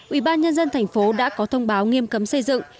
ủy ban nhân dân thành phố đã có thông báo nghiêm cấm xây dựng